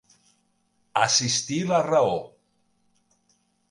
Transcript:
Assistir la raó.